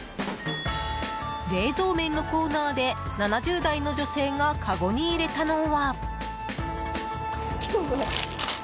冷蔵麺のコーナーで７０代の女性がかごに入れたのは。